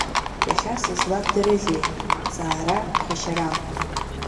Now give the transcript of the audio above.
Иахьа сызлабдырызеи, ҵаара ԥхашьарам?